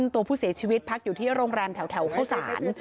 ตัวผู้เสียชีวิตพักอยู่ที่โรงแรมแถวเข้าสาร